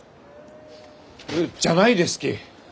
えっじゃないですき！